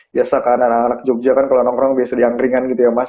biasa kan anak anak jogja kan kalau nongkrong biasa diangkringan gitu ya mas